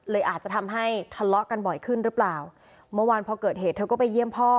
อาจจะทำให้ทะเลาะกันบ่อยขึ้นหรือเปล่าเมื่อวานพอเกิดเหตุเธอก็ไปเยี่ยมพ่อ